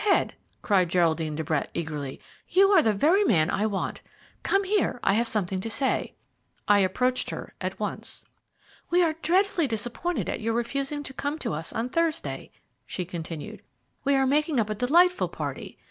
Head," cried Geraldine de Brett eagerly, "you are the very man I want. Come here, I have something to say." I approached her at once. "We are dreadfully disappointed at your refusing to come to us on Thursday," she continued. "We are making up a delightful party.